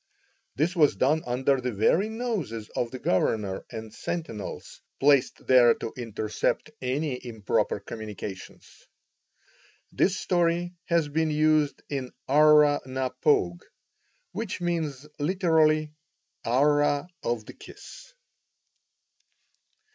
This was done under the very noses of the governor and sentinels placed there to intercept any improper communication. This story has been used in Arrah na Pogue, which means literally "Arrah of the kiss."